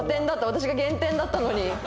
私が減点だったのに。